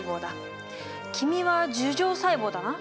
君は樹状細胞だな。